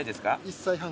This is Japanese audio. １歳半。